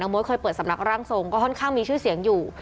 มดเคยเปิดสำนักร่างทรงก็ค่อนข้างมีชื่อเสียงอยู่